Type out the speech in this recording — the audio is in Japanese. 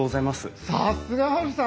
さすがハルさん！